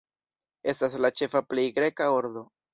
Estas la ĉefa plej greka ordo.